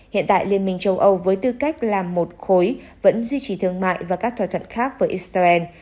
hiện tại liên minh châu âu với tư cách là một khối vẫn duy trì thương mại và các thỏa thuận khác với israel